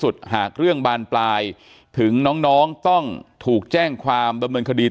หากเรื่องบานปลายถึงน้องต้องถูกแจ้งความดำเนินคดี